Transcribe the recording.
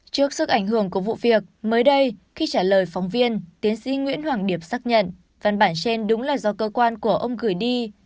trước sức ảnh hưởng của vụ việc mới đây khi trả lời phóng viên tiến sĩ nguyễn hoàng điệp xác nhận văn bản trên đúng là do cơ quan của ông gửi đi